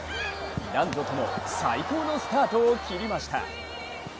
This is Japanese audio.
男女とも最高のスタートを切りました。